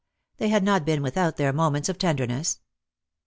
They had not been without their moments of tenderness.